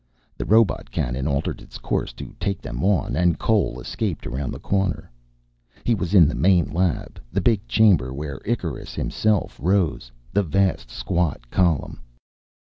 The robot cannon altered its course to take them on, and Cole escaped around a corner. He was in the main lab, the big chamber where Icarus himself rose, the vast squat column.